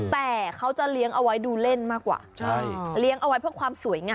แต่เขาจะเลี้ยงเอาไว้ดูเล่นมากกว่าเลี้ยงเอาไว้เพื่อความสวยงาม